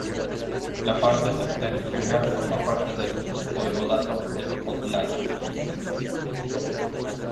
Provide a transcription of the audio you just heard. La parte septentrional forma parte del Voivodato de Podlaquia.